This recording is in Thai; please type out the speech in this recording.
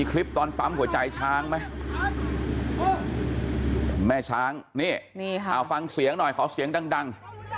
ขอเสียงดัง